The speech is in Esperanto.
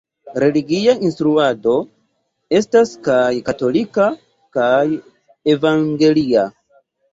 Religia instruado estas kaj katolika kaj evangelia.